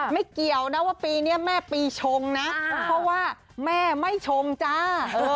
เกี่ยวนะว่าปีนี้แม่ปีชงนะเพราะว่าแม่ไม่ชงจ้า